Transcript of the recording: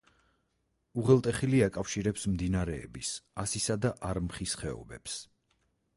უღელტეხილი აკავშირებს მდინარეების ასისა და არმხის ხეობებს.